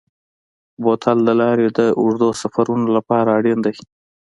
بوتل د لارې د اوږدو سفرونو لپاره اړین دی.